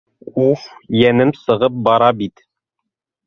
Уф, йәнем сығып бара бит!